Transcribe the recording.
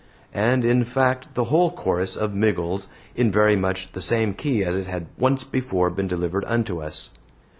and, in fact, the whole chorus of Miggles in very much the same key as it had once before been delivered unto us.